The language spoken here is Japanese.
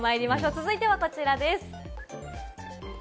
続いてはこちらです。